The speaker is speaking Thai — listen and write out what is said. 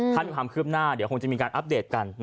คาดความเคลือบหน้าเดี๋ยวมันจะมีการอัปเดตกัน